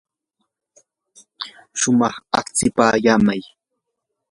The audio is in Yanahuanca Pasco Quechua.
shumaq achikyapaamay.